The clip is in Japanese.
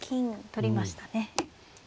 取りましたね。